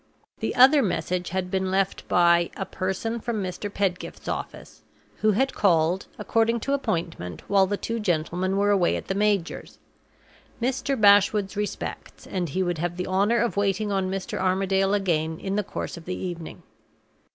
The other message had been left by "a person from Mr. Pedgift's office," who had called, according to appointment, while the two gentlemen were away at the major's. "Mr. Bashwood's respects, and he would have the honor of waiting on Mr. Armadale again in the course of the evening."